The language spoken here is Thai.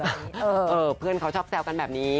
เออเพื่อนเขาชอบแซวกันแบบนี้